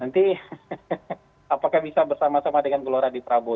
nanti apakah bisa bersama sama dengan gelora di prabowo